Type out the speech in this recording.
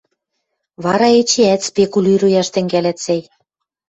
— Вара эчеӓт спекулируяш тӹнгӓлӓт, сӓй?